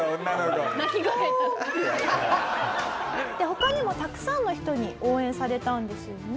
で他にもたくさんの人に応援されたんですよね？